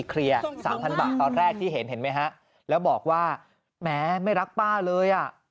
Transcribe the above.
เคลียร์๓๐๐๐บาทตอนแรกที่เห็นแล้วบอกว่าแหมไม่รักป้าเลย